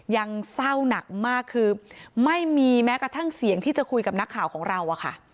ยังเศร้าหนักมากคือไม่มีแม้กระทั่งเสียงที่จะคุยกับนักข่าวของเราอะค่ะ